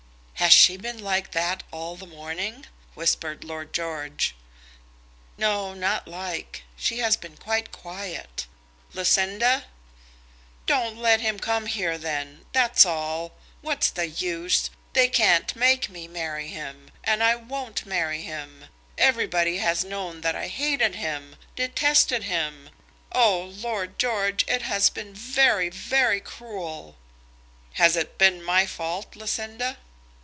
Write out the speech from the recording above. "Has she been like that all the morning?" whispered Lord George. "No; not like. She has been quite quiet. Lucinda!" "Don't let him come here, then; that's all. What's the use? They can't make me marry him. And I won't marry him. Everybody has known that I hated him, detested him. Oh, Lord George, it has been very, very cruel." "Has it been my fault, Lucinda?"